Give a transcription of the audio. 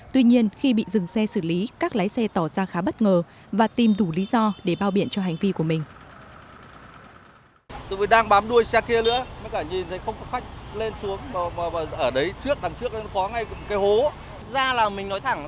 tuy nhiên khi bị dừng xe xử lý các lái xe tỏ ra khá bất ngờ và tìm đủ lý do để bao biện cho hành vi của mình